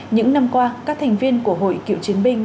những năm qua các thành viên của hội cựu chiến binh